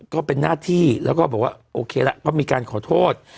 ก็เป็นหน้าที่แล้วก็บอกว่าโอเคละก็มีการขอโทษ